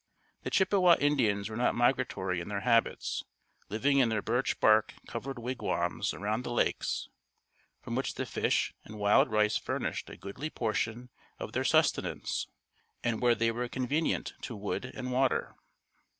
The Chippewa Indians were not migratory in their habits, living in their birch bark covered wigwams around the lakes, from which the fish and wild rice furnished a goodly portion of their sustenance and where they were convenient to wood and water.